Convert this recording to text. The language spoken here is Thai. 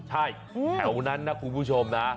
ใช่แถวนั้นนะคุณผู้ชมนะ